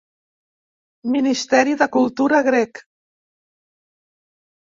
Ministeri de Cultura grec.